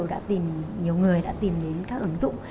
rất nhiều người đã tìm đến các ứng dụng